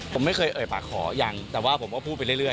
ผมไม่เคยเอ่ยปากขอยังแต่ว่าผมก็พูดไปเรื่อย